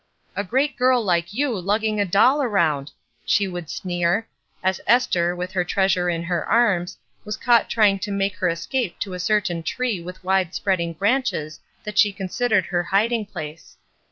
'' A great girl Uke you lugging a doll around !" she would sneer, as Esther, with her treasure in her arms, was caught trying to make her escape to a certain tree with wide spreading branches that she considered her hiding place.